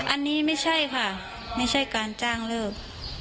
อันนี้ไม่ใช่ค่ะไม่ใช่การจ้างเลิก